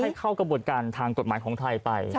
ให้เข้ากระบวนการทางกฎหมายของไทยไป